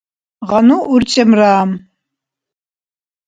гъану урчӀемра